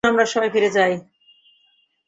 চলুন, আমরা ফিরে যাই।